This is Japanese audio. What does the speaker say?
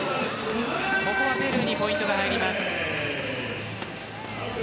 ここはペルーにポイントが入ります。